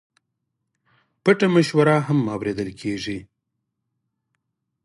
پټه مشوره هم اورېدل کېږي.